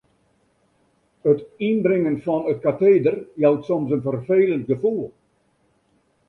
It ynbringen fan it kateter jout soms in ferfelend gefoel.